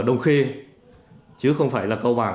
đồng khê chứ không phải là câu bảng